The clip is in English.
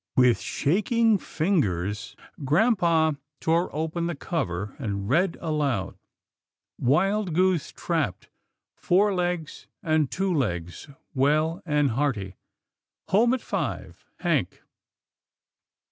With shaking fingers, grampa tore open the cover, and read aloud, "* Wild goose trapped. Four Legs and Two Legs well and hearty. Home at five. Hank.'